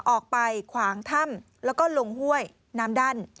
ขวางถ้ำแล้วก็ลงห้วยน้ำดั้น